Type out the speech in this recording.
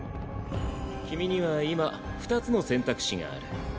君には今２つの選択肢がある。